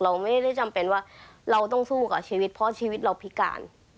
เราไม่ได้จำเป็นว่าเราต้องสู้กับชีวิตเพราะชีวิตเราพิการ